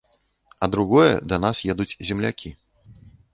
А другое, да нас едуць землякі.